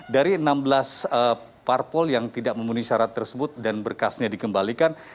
dari enam belas parpol yang tidak memenuhi syarat tersebut dan berkasnya dikembalikan